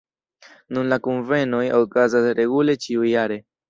Nun la kunvenoj okazas regule ĉiujare.